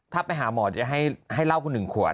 ถ้าไปหาหมอจะให้เหล้าคุณ๑ขวด